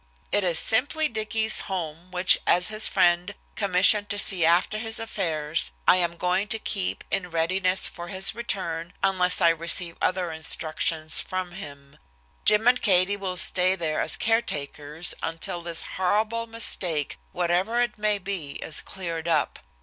It is simply Dicky's home, which as his friend, commissioned to see after his affairs, I am going to keep in readiness for his return, unless I receive other instructions from him. Jim and Katie will stay there as caretakers until this horrible mistake, whatever it may be, is cleared up.